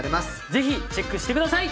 ぜひチェックして下さい！